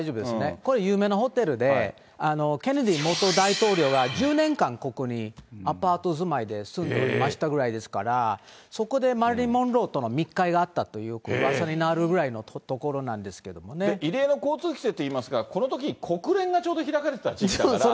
これ、有名なホテルで、ケネディ元大統領は１０年間、ここにアパート住まいで住んでおりましたぐらいですから、そこでマリリン・モンローとの密会があったといううわさになるぐ異例の交通規制といいますが、このとき、国連がちょうど開かれていた時期だから。